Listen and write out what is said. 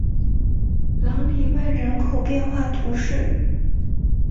朗里万人口变化图示